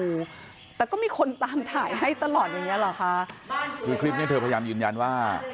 อยู่แต่ก็มีคนตามถ่ายให้ตลอดอย่างเงี้เหรอคะคือคลิปเนี้ยเธอพยายามยืนยันว่า